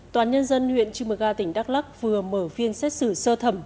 toàn nhân dân huyện chimuga tỉnh đắk lắc vừa mở phiên xét xử sơ thẩm